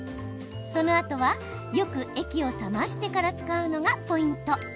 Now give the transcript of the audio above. そのあとはよく液を冷ましてから使うのがポイント。